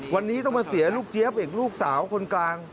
วันนี้ต้องมาเสียลูกเจี๊ยบอีกลูกสาวคนกลาง